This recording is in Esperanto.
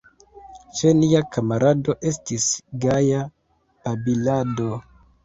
Ĉe nia kamarado Estis gaja babilado!